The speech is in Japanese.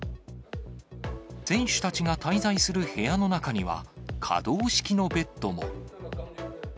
選手たちが滞在する部屋の中には、可動式のベッドも。